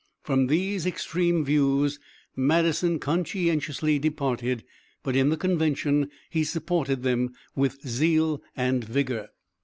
From these extreme views Madison conscientiously departed, but in the convention he supported them with zeal and vigor.